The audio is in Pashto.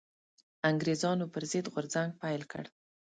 انګرېزانو پر ضد غورځنګ پيل کړ